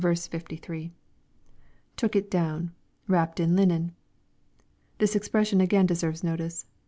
— [Took it dawn,.. wrapped in linen.] This expression again de serves notice.